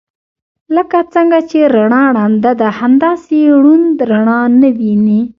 لکه څنګه چې رڼا ړنده ده همداسې ړوند رڼا نه ويني.